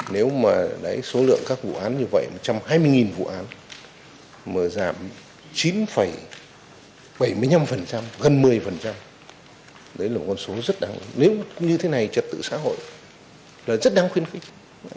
nếu mà số lượng các vụ án như vậy một trăm hai mươi vụ án mà giảm chín bảy mươi năm gần một mươi đấy là một con số rất đáng nếu như thế này trật tự xã hội là rất đáng khuyến khích